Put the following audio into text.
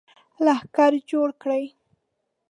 لښکر جوړ کړي.